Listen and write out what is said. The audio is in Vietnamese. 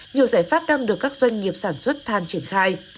nhiều giải pháp đang được các doanh nghiệp sản xuất than triển khai